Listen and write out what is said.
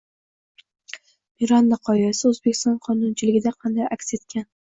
– Miranda qoidasi O‘zbekiston qonunchiligida qanday aks etgan?